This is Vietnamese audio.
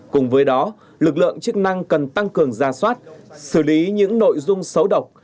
cùng với đó lực lượng chức năng cần tăng cường ra soát xử lý những nội dung xấu độc